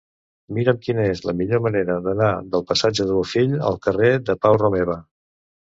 Mira'm quina és la millor manera d'anar del passatge de Bofill al carrer de Pau Romeva.